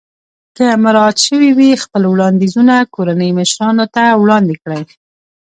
که مراعات شوي وي خپل وړاندیزونه کورنۍ مشرانو ته وړاندې کړئ.